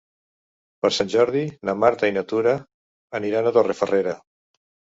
Per Sant Jordi na Marta i na Tura aniran a Torrefarrera.